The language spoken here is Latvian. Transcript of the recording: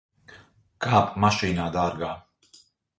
Kāp mašīnā, dārgā.